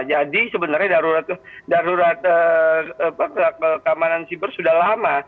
jadi sebenarnya darurat keamanan siber sudah lama